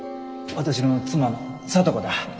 私の妻の聡子だ。